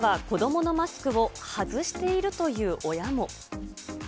一方で、公園では子どものマスクを外しているという親も。